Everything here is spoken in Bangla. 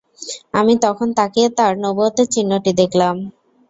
আমি তখন তাকিয়ে তাঁর নবুয়তের চিহ্নটি দেখলাম।